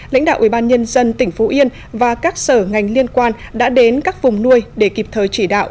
lãnh đạo ubnd tỉnh phú yên và các sở ngành liên quan đã đến các vùng nuôi để kịp thời chỉ đạo